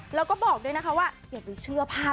แล้วก็บอกด้วยนะคะว่า